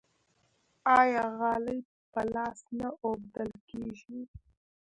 آیا غالۍ په لاس نه اوبدل کیږي؟